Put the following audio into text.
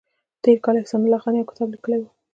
تېر کال احسان الله خان یو کتاب لیکلی و